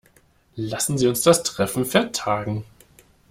Lassen Sie uns das Treffen vertagen.